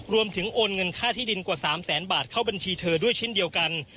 โอนเงินค่าที่ดินกว่า๓แสนบาทเข้าบัญชีเธอด้วยเช่นเดียวกัน